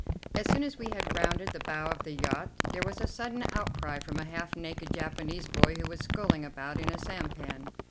As soon as we had rounded the bow of the yacht there was a sudden outcry from a half naked Japanese boy who was sculling about in a sampan.